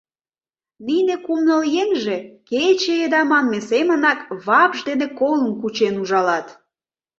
Нине кум-ныл еҥже, кече еда манме семынак, вапш дене колым кучен ужалат.